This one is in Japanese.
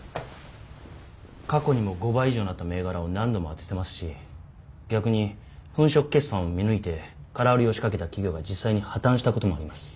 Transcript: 過去にも５倍以上になった銘柄を何度も当ててますし逆に粉飾決算を見抜いて空売りを仕掛けた企業が実際に破綻したこともあります。